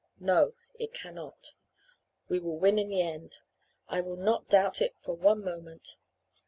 No it cannot. We will win in the end. I will not doubt it for one moment.